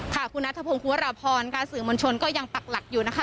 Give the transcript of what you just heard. คุณนัทธพงษ์คู่่าราภรกาศืมรชนยังตักหลักอยู่นะคะ